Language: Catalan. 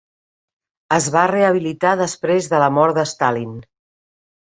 Es va rehabilitar després de la mort d'Stalin.